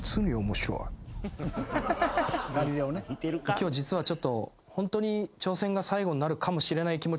今日実はちょっとホントに。